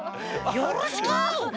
よろしく！